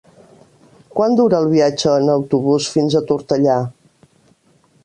Quant dura el viatge en autobús fins a Tortellà?